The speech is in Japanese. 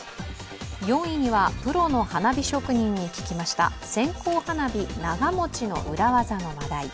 ４位には、プロの花火職人に聞きました線香花火長もちの裏技の話題。